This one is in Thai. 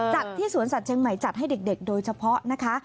จัดที่สวนสัตว์เชียงใหม่จัดให้เด็กโดยเฉพาะนะคะ